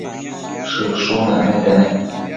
Shëshun acmete nec